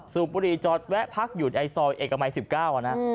สู่ปุรีจอดแวะพักหยุดไอ้ซอยเอกมัย๑๙อ่ะนะ